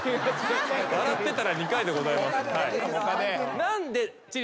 笑ってたら２回でございます。